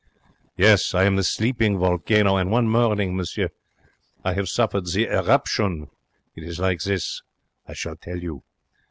Yes, I am the sleeping volcano, and one morning, monsieur, I have suffered the eruption. It is like this. I shall tell you.